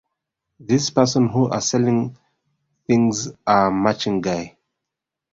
This person who are selling things are maching guy